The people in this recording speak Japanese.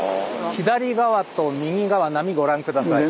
左側と右側波ご覧下さい。